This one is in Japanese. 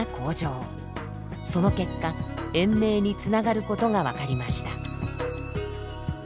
その結果延命につながることが分かりました。